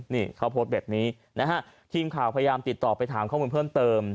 นี่เขาโพสต์แบบนี้นะฮะทีมข่าวพยายามติดต่อไปถามข้อมูลเพิ่มเติม